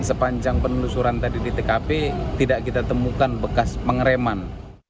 sepanjang penelusuran tadi di tkp tidak kita temukan bekas pengereman